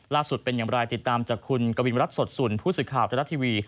ล่าสุดเป็นอย่างไรติดตามจากคุณกวินวรัตน์สดสุนผู้สื่อข่าวรัฐทีวี